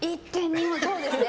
そうですね。